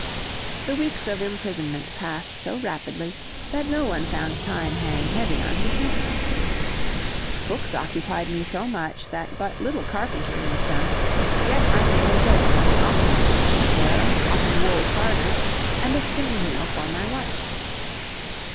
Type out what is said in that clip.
The weeks of imprisonment passed so rapidly, that no one found time hang heavy on his hands. Books occupied me so much that but little carpentering was done, yet I made a yoke for the oxen, a pair of cotton wool carders, and a spinning wheel for my wife.